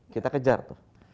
kita kejar tuh